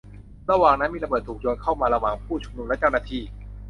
ระหว่างนั้นมีระเบิดถูกโยนเข้ามาระหว่างผู้ชุมนุมและเจ้าหน้าที่